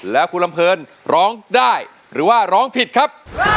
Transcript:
แล้วคุณลำเพลินร้องได้หรือว่าร้องผิดครับ